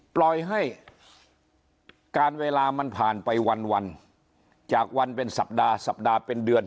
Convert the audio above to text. ปล่อยให้การเวลามันผ่านไปวันจากวันเป็นสัปดาห์สัปดาห์เป็นเดือน